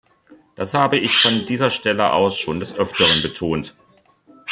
Das habe ich von dieser Stelle aus schon des öfteren betont.